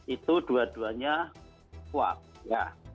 itu dua duanya kuat ya